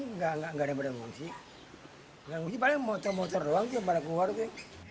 enggak enggak enggak ada yang mengungsi